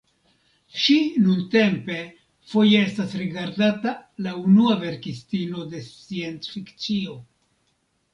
Ŝi nuntempe foje estas rigardata la unua verkistino de sciencfikcio.